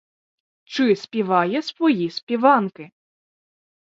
Чи співає свої співанки?